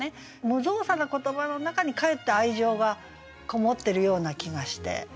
無造作な言葉の中にかえって愛情がこもってるような気がして。